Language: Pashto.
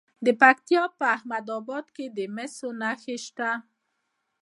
د پکتیا په احمد اباد کې د مسو نښې شته.